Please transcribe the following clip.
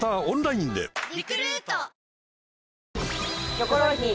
『キョコロヒー』